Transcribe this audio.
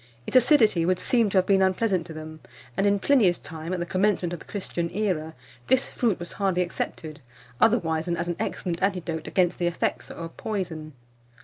Its acidity would seem to have been unpleasant to them; and in Pliny's time, at the commencement of the Christian era, this fruit was hardly accepted, otherwise than as an excellent antidote against the effects of poison.